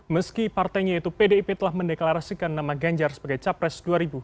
meski partainya yaitu pdip telah mendeklarasikan nama ganjar sebagai capres dua ribu dua puluh